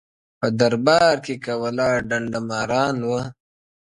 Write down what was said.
په دربار کي که ولاړ ډنډه ماران وه،